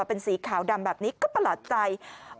เป็นสีขาวดำแบบนี้ก็ประหลาดใจ